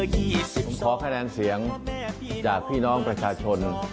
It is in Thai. ขอคะแนนเสียงจากพี่น้องประชาชน